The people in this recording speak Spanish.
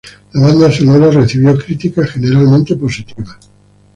La banda sonora recibió críticas generalmente positivas.